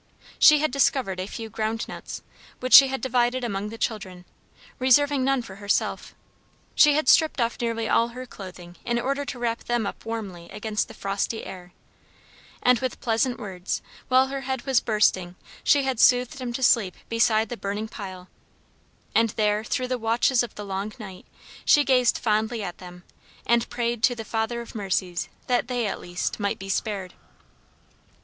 She had discovered a few ground nuts, which she had divided among the children, reserving none for herself; she had stripped off nearly all her clothing in order to wrap them up warmly against the frosty air, and with pleasant words, while her head was bursting, she had soothed them to sleep beside the burning pile; and there, through the watches of the long night, she gazed fondly at them and prayed to the Father of mercies that they, at least, might be spared.